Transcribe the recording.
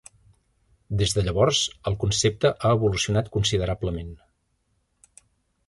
Des de llavors, el concepte ha evolucionat considerablement.